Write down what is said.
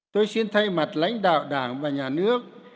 tôi xin thay mặt lãnh đạo đảng và nhà nước